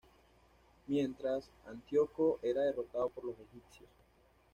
Mientras, Antíoco era derrotado por los egipcios.